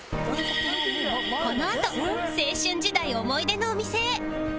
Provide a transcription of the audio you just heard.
このあと青春時代思い出のお店へ